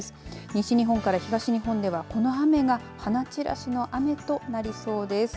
西日本から東日本ではこの雨が花散らしの雨となりそうです。